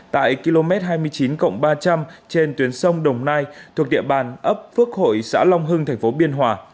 tại km hai mươi chín ba trăm linh trên tuyến sông đồng nai thuộc địa bàn ấp phước hội xã long hưng thành phố biên hòa